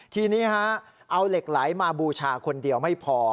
ทีนี้เอาเหล็กไหลมาบูชาคนเดียวไม่พอ